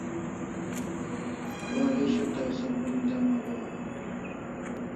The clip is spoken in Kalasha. Waresho tai som mon dem agohaw